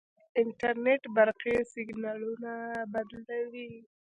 انټرنیټ برقي سیګنالونه بدلوي.